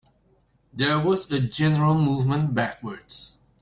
There was a general movement backwards.